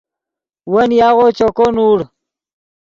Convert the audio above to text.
ون یاغو چوکو نوڑ